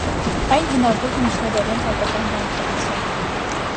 Այն հնագույն միջնադարյան հայկական վանքերից է։